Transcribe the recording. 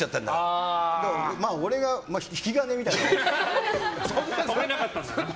俺が引き金みたいな。